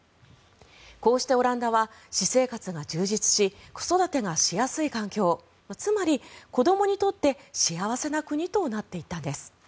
こうしてオランダは私生活が充実し子育てがしやすい環境つまり、子どもにとって幸せな国となっていったんです。